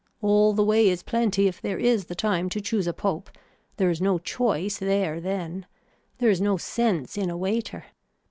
All the way is plenty if there is the time to choose a pope, there is no choice there then, there is no sense in a waiter.